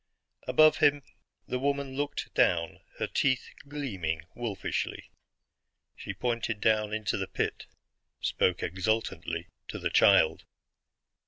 Above him the woman looked down, her teeth gleaming wolfishly. She pointed down into the pit; spoke exultantly to the child.